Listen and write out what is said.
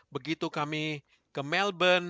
begitu kami ke melbourne